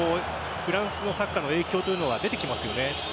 フランスのサッカーの影響というのが出てきますよね。